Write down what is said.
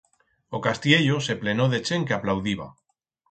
O castiello se plenó de chent que aplaudiba.